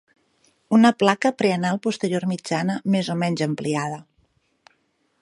Una placa preanal posterior mitjana més o menys ampliada.